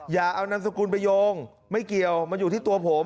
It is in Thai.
อย่าเอานามสกุลไปโยงไม่เกี่ยวมันอยู่ที่ตัวผม